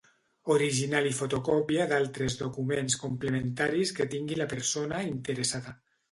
Original i fotocòpia d'altres documents complementaris que tingui la persona interessada.